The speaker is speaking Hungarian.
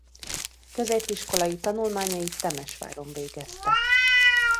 Középiskolai tanulmányait Temesváron végezte.